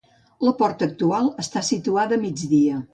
La porta actual està situada a migdia.